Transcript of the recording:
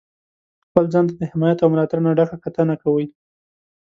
خپل ځان ته د حمایت او ملاتړ نه ډکه کتنه کوئ.